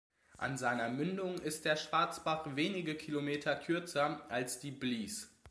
An seiner Mündung ist der Schwarzbach wenige Kilometer kürzer als die Blies.